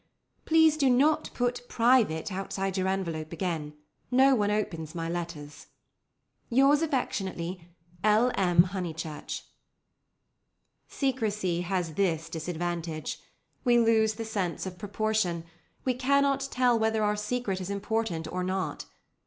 Please do not put 'Private' outside your envelope again. No one opens my letters. "Yours affectionately, "L. M. HONEYCHURCH." Secrecy has this disadvantage: we lose the sense of proportion; we cannot tell whether our secret is important or not.